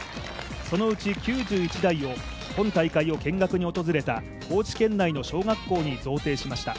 そのうち９１台を本大会を見学に訪れた高知県内の小学校に贈呈しました。